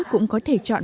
cũng có thể chọn